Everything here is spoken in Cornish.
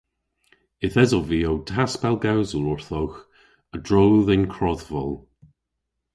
Yth esov vy ow taspellgewsel orthowgh a-dro dhe'n krodhvol.